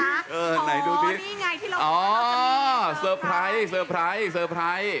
อ๋อนี่ไงที่เรามีอ๋อสเตอร์ไพรส์สเตอร์ไพรส์สเตอร์ไพรส์